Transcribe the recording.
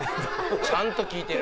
ちゃんと聴いてる。